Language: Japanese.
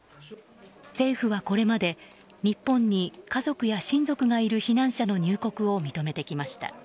政府はこれまで日本に家族や親族がいる避難者の入国を認めてきました。